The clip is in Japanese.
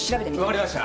分かりました。